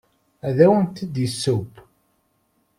Ad awent-d-yesseww.